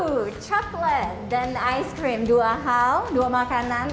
satu coklat dan ice cream dua hal dua makanan